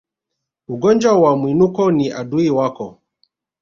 Ugonjwa wa Mwinuko ni adui wako